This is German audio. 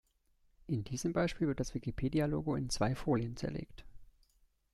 In diesem Beispiel wird das Wikipedia-Logo in zwei Folien zerlegt.